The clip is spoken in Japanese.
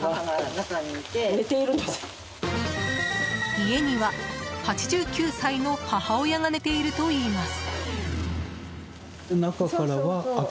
家には、８９歳の母親が寝ているといいます。